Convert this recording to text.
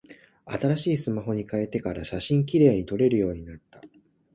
新しいスマホに変えてから、写真綺麗に撮れるようになった。